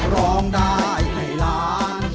ร้องได้ให้ล้าน